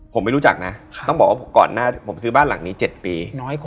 ผมไม่รู้จักนะต้องบอกว่าก่อนหน้าผมซื้อบ้านหลังนี้๗ปี